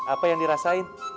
apa yang dirasain